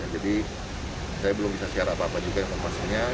jadi saya belum bisa siar apa apa juga yang termasuknya